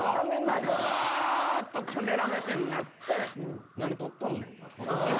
カメラ目線になって何撮っとんねん？